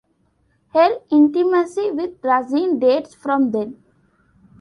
Her intimacy with Racine dates from then.